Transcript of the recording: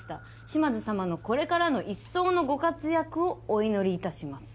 「島津様のこれからの一層のご活躍をお祈り致します」